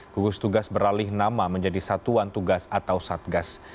gugus tugas beralih nama menjadi satuan tugas atau satgas